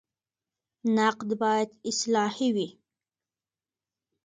نقد باید اصلاحي وي